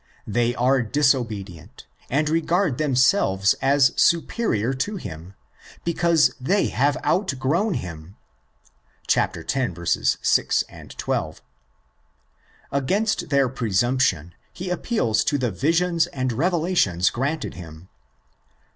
They are disobedient, and regard themselves as superior to him, because they have outgrown him (x. 6, 12). Against their presumption he appeals to the visions and revelations granted him (xii.